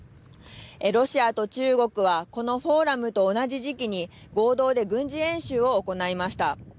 ロシアと中国はこのフォーラムと同じ時期に合同で軍事演習を行いました。